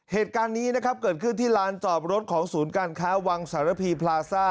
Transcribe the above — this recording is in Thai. เหตุการณ์นี้นะครับเกิดขึ้นที่ลานจอบรถของศูนย์การค้าวังสารพีพลาซ่า